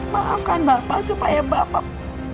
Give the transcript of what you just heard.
maafkan bapak supaya bapak